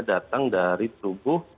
datang dari tubuh